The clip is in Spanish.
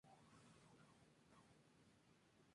Se reproduce tanto asexualmente como sexualmente.